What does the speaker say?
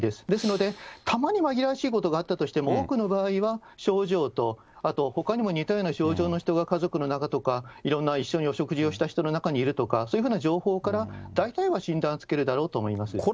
ですので、たまに紛らわしいことがあったとしても多くの場合は症状と、あとほかにも似たような症状の人が家族の中とか、いろんな、一緒にお食事をした人の中にいるとか、そういうふうな情報から大体は診断つけるだろうと思います。